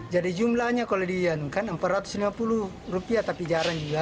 jadi jumlahnya kalau diandungkan rp empat ratus lima puluh tapi jarang juga